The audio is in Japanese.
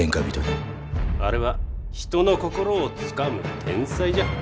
あれは人の心をつかむ天才じゃ。